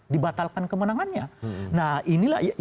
dibatalkan kemenangannya nah inilah